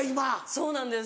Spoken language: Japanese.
そうなんです。